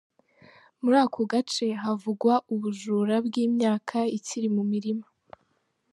Muri ako gace havugwa ubujura bw’imyaka ikiri mu mirima.